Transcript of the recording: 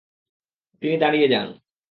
তিনি দাঁড়িয়ে যান।